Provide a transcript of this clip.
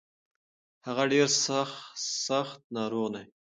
هغه ډير سځت ناروغه دی.